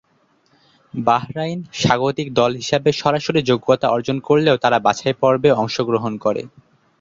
Bahrain স্বাগতিক দল হিসাবে সরাসরি যোগ্যতা অর্জন করলেও তারা বাছাইপর্বে অংশগ্রহণ করে।